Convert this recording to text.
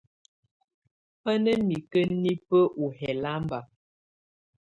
Bá ná mikǝ́ nibǝ́ u hɛlamba.